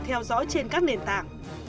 theo dõi trên các nền tảng